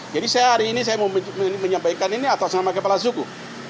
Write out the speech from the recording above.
jadi saya hari ini saya mau menyampaikan ini atas nama kepala suku